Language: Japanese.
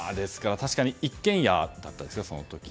確かに１軒屋だったんですね